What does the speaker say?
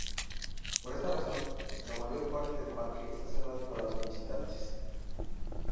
Por esta razón, la mayor parte del parque está cerrado para los visitantes.